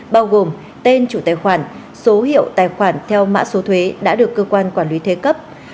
bao gồm tên chủ tài khoản số hiệu tài khoản theo mã số thuế đã được cơ quan quản lý thuế cấp